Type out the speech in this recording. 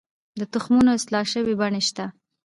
د تخمونو اصلاح شوې بڼې شته؟